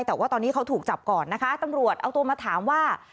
แต่ว่าตอนนี้เขาถูกจับก่อนนะคะตำรวจเอาตัวมาถามว่า